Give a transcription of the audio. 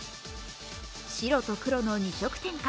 白と黒の２色展開。